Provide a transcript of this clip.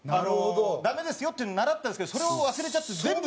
ダメですよっていうのを習ったんですけどそれを忘れちゃって全部。